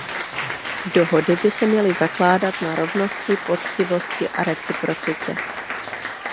Dohody by se měly zakládat na rovnosti, poctivosti a reciprocitě.